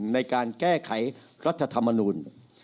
ในการแก้ไขรัฐธรรมนูล